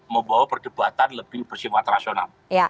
membawa perdebatan lebih bersifat rasional